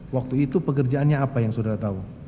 waktu itu pekerjaannya apa yang saudara tahu